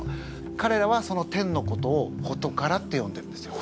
かれらはその天のことをホトカラってよんでるんですよ。